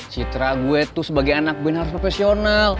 citra gue tuh sebagai anak gue ini harus profesional